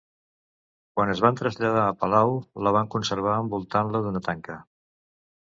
Quan es van traslladar a palau, la van conservar envoltant-la d'una tanca.